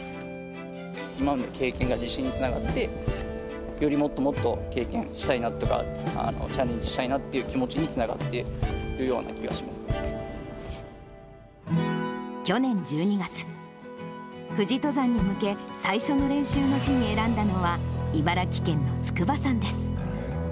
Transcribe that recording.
今までの経験が自信につながって、よりもっともっと経験したいなとか、チャレンジしたいなっていう気持ちにつながっているような気がし去年１２月、富士登山に向け、最初の練習の地に選んだのは、茨城県の筑波山です。